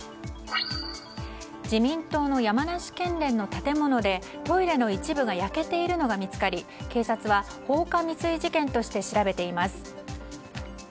自民党の山梨県連の建物でトイレの一部が焼けているのが見つかり警察は、放火未遂事件として調べています。